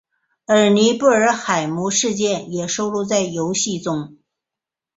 而尼布尔海姆事件也收录在游戏中。